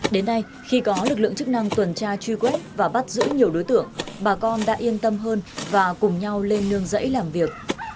đến nay khi có lực lượng chức năng tuần tra truy quét và bắt giữ nhiều đối tượng bà con đã yên tâm hơn và cùng nhau lên nương dãy làm việc